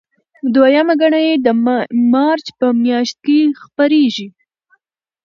دویمه ګڼه یې د مارچ په میاشت کې خپریږي.